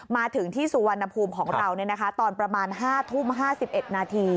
มาถึงที่สุวรรณภูมิของเราตอนประมาณ๕ทุ่ม๕๑นาที